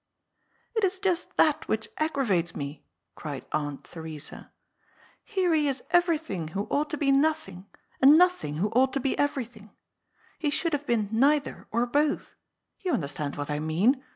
"It is just that which aggravates^ me," cried Aunt 216 GOD'S FOOL. Theresa. ^' Here lie is eyerything who ought to be nothing, and nothing who ought to be everything. He should have been neither or both ; you understand what I mean.